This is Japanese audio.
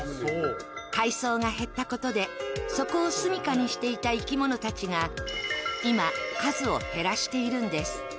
海藻が減ったことでそこをすみかにしていた生き物たちが今、数を減らしているんです。